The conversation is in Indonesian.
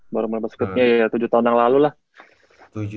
baru mulai basketnya ya tujuh tahun yang lalu lah